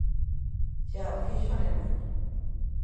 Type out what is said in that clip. Xa o fixo Alemaña.